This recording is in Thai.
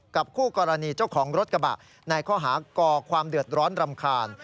คู่กรณีเจ้าของรถกระบะในข้อหาก่อความเดือดร้อนรำคาญ